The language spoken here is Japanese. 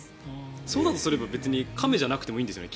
そうだとすれば別に亀じゃなくてもいいんですよね